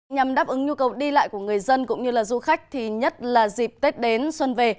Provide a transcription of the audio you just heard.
nhằm đáp ứng nhu cầu đi lại của người dân cũng như là du khách thì nhất là dịp tết đến xuân về